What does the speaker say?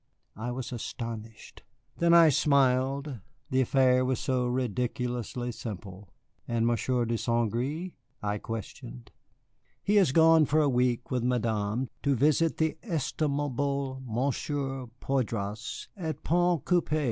I was astounded. Then I smiled, the affair was so ridiculously simple. "And Monsieur de St. Gré?" I asked. "Has been gone for a week with Madame to visit the estimable Monsieur Poydras at Pointe Coupée."